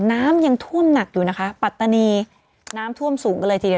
น้ำยังท่วมหนักอยู่นะคะปัตตานีน้ำท่วมสูงกันเลยทีเดียว